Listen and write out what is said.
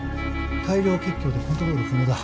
大量血胸でコントロール不能だ。